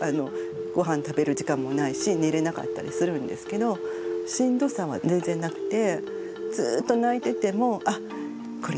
ごはん食べる時間もないし寝れなかったりするんですけどしんどさは全然なくてずっと泣いてても「あこれ夜泣きだわ」みたいな感じ。